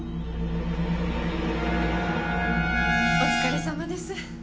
お疲れさまです。